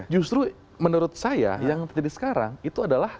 justru menurut saya yang terjadi sekarang itu adalah